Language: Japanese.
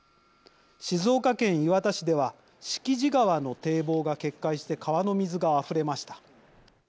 静岡県磐田市では敷地川の堤防が決壊して川の水があふれました。